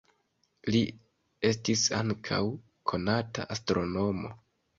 Li estis ankaŭ konata astronomo.